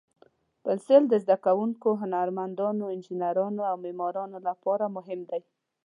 پنسل د زده کوونکو، هنرمندانو، انجینرانو، او معمارانو لپاره مهم دی.